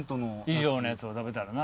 以上のやつを食べたらな。